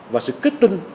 và sự kết tinh